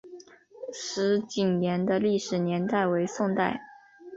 石井岩的历史年代为宋代。